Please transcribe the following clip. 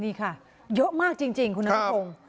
นี่ค่ะเยอะมากจริงคุณน้องพรง